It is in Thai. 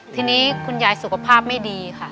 ทีนี้คุณยายสุขภาพไม่ดีค่ะ